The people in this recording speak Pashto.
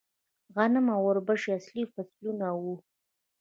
غنم او وربشې اصلي فصلونه وو